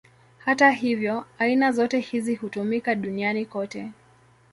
Hata hivyo, aina zote hizi hutumika duniani kote.